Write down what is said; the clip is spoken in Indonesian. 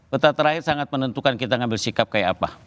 peta terakhir sangat menentukan kita ngambil sikap kayak apa